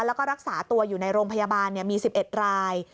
แล้วก็รักษาตัวอยู่ในโรงพยาบาลมี๑๑ราย